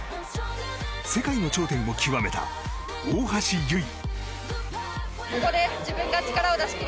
世界の頂点を極めた大橋悠依。